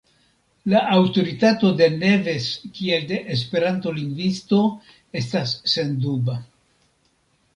La aŭtoritato de Neves kiel de Esperanto-lingvisto estas senduba.